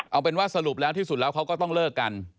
เอาเป็นว่าสรุปแล้วที่สุดแล้วเขาก็ต้องเลิกกัน